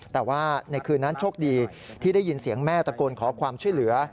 แต่ว่าในคืนนั้นโชคดีที่ได้ยินเสียงแม่ตะโกนขอความช่วยเหลือ